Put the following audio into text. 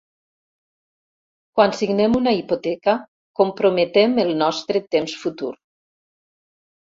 Quan signem una hipoteca comprometem el nostre temps futur.